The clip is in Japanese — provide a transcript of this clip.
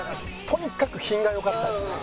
とにかく品が良かったですね。